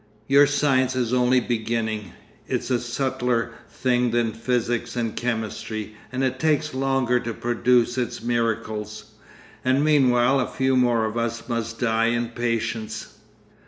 Your science is only beginning. It's a subtler thing than physics and chemistry, and it takes longer to produce its miracles. And meanwhile a few more of us must die in patience.